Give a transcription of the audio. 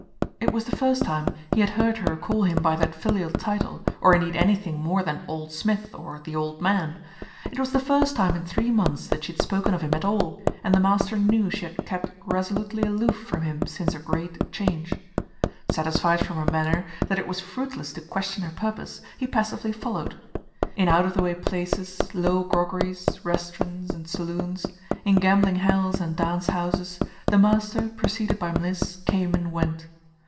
It was the first time he had heard her call him by that filial title, or indeed anything more than "Old Smith" or the "Old Man." It was the first time in three months that she had spoken of him at all, and the master knew she had kept resolutely aloof from him since her great change. Satisfied from her manner that it was fruitless to question her purpose, he passively followed. In out of the way places, low groggeries, restaurants, and saloons; in gambling hells and dance houses, the master, preceded by Mliss, came and went.